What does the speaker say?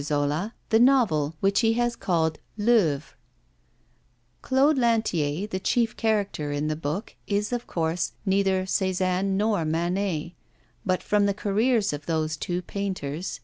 Zola the novel which he has called L'Œuvre. Claude Lantier, the chief character in the book, is, of course, neither Cézanne nor Manet, but from the careers of those two painters, M.